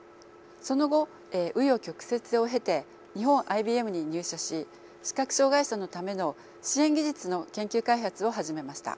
その後紆余曲折を経て日本ＩＢＭに入社し視覚障害者のための支援技術の研究開発を始めました。